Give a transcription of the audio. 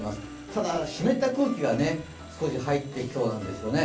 ただ、湿った空気が少し入ってきそうなんですよね。